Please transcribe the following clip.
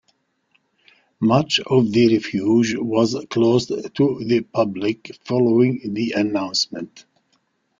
Much of the refuge was closed to the public following the announcement.